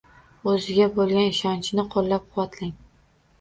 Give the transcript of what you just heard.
O‘ziga bo‘lgan ishonchini qo‘llab-quvvatlang.